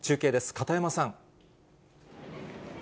片山さん。